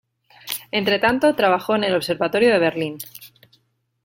Entretanto, trabajó en el Observatorio de Berlín.